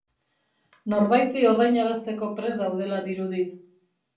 Norbaiti ordainarazteko prest daudela dirudi.